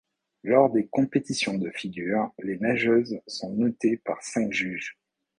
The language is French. Lors des compétitions de figures, les nageuses sont notées par cinq juges.